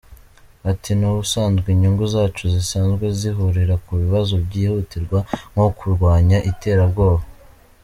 Ati “N’ubusanzwe inyungu zacu zisanzwe zihurira ku bibazo by’ihutirwa nko kurwanya iterabwoba.